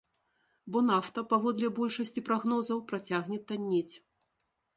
Бо нафта, паводле большасці прагнозаў, працягне таннець.